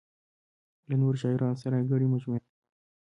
له نورو شاعرانو سره یې ګڼې مجموعې چاپ کړې.